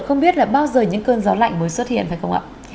không biết là bao giờ những cơn gió lạnh mới xuất hiện phải không ạ